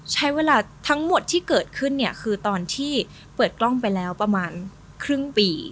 ใช้เวลาทั้งหมดที่เกิดขึ้นเนี่ยคือตอนที่เปิดกล้องไปแล้วประมาณครึ่งปี